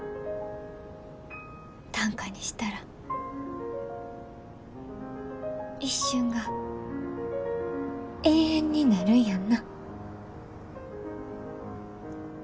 短歌にしたら一瞬が永遠になるんやんな？